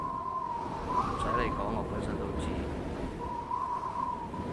唔洗你講我本身都知